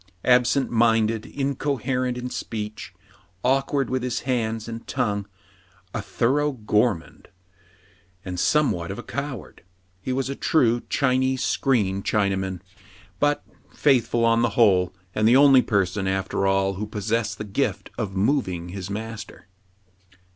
Absent minded, incoherent in speech, awkward with his hands and tongue, a thorough gourmand, and somewhat of a coward, he was a true Chinese screen Chinaman, but faithful on 38 TRIBULATIONS OF A CHINAMAN, the whole, and the only person, after all, who pos. sessed the gift of moving his master.